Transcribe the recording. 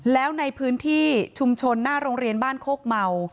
แล้วในพื้นที่ชุมชนหน้าโรงเรียนบ้านโคกเมา